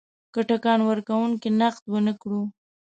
که ټکان ورکونکی نقد ونه کړو.